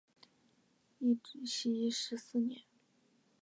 义熙十四年。